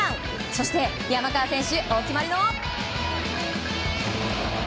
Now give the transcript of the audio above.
そして、山川選手お決まりの。